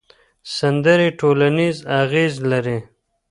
سندرې ټولنیز اغېز لري.